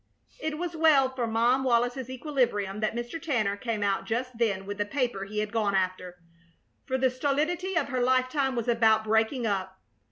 It was well for Mom Wallis's equilibrium that Mr. Tanner came out just then with the paper he had gone after, for the stolidity of her lifetime was about breaking up.